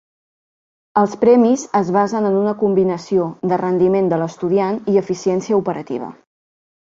Els premis es basen en una combinació de rendiment de l'estudiant i eficiència operativa.